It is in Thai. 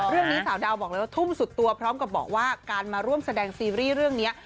เรื่องนี้สาวดาวบอกเลยว่าทุ่มสุดตัวพร้อมกับบอกว่าการมาร่วมแสดงซีรีส์เรื่องนี้